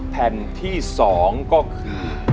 แผ่นที่๒ก็คือ